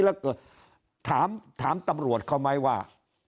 แล้วก็ถามประตูคนเค้ามั้ยว่า